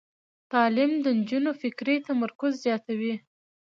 تعلیم د نجونو فکري تمرکز زیاتوي.